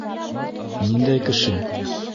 Ниндәй кеше?